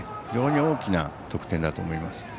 非常に大きな得点だと思います。